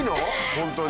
ホントに。